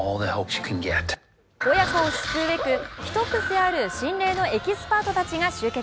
親子を救うべく一癖ある心霊のエキスパートたちが集結。